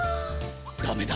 ダメだ。